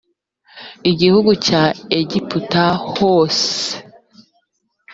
gihugu cya egiputa hose